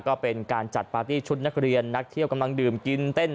ก็เป็นการจัดปาร์ตี้ชุดนักเรียนนักเที่ยวกำลังดื่มกินเต้น